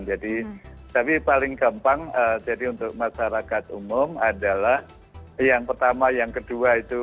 jadi tapi paling gampang jadi untuk masyarakat umum adalah yang pertama yang kedua itu